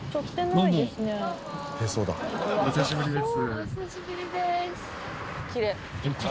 お久しぶりです。